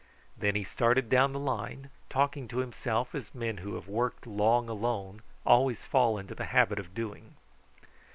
Then he started down the line, talking to himself as men who have worked long alone always fall into the habit of doing.